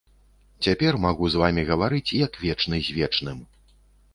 Цяпер магу з вамі гаварыць, як вечны з вечным.